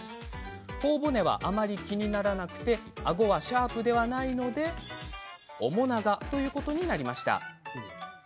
ほお骨はあまり気にならなくてあごはシャープではないので面長ということになりました。